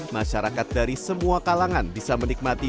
masyarakat dari semua kalangan bisa menikmati